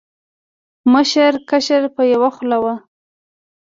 مشر، کشر په یو خوله و